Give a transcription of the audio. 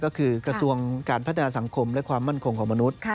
ก็คือกระทรวงการพัฒนาสังคมและความมั่นคงของมนุษย์